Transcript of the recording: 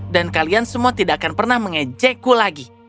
dan kalian semua tidak akan pernah mengejekku lagi